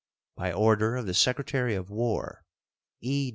By order of the Secretary of War: E.